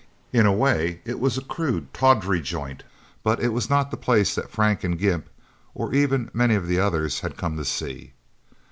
In a way, it was a crude, tawdry joint; but it was not the place that Frank and Gimp or even many of the others had come to see.